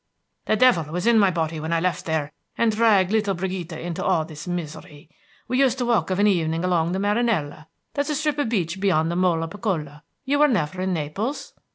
The devil was in my body when I left there and dragged little Brigida into all this misery. We used to walk of an evening along the Marinella, that's a strip of beach just beyond the Molo Piccolo. You were never in Naples?"